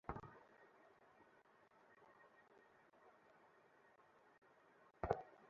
কোনাবাড়ী বাজার এলাকায় পেছন থেকে ঢাকাগামী একটি কাভার্ড ভ্যান তাঁদের চাপা দেয়।